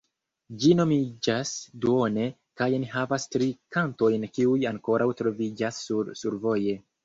Ĝi nomiĝas "Duone" kaj enhavas tri kantojn kiuj ankaŭ troviĝas sur "Survoje".